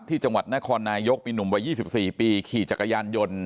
ที่จังหวัดนครนายกมีหนุ่มวัย๒๔ปีขี่จักรยานยนต์